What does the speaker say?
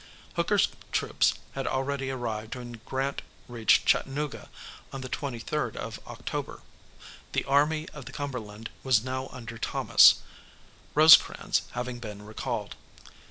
Hooker's troops had already arrived when Grant reached Chattanooga on the 23rd of October. The Army of the Cumberland was now under Thomas, Rosecrans having been recalled.